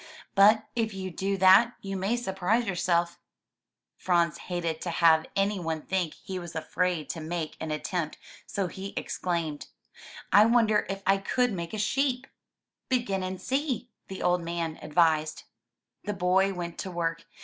"But if you do that you may surprise yourself/' Franz hated to have any one think he was afraid to make an attempt, so he exclaimed, *1 wonder if I could make a sheep?'* Begin and see,'* the old man advised. The boy went to work.